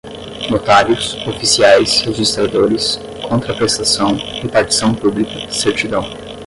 notários, oficiais registradores, contraprestação, repartição pública, certidão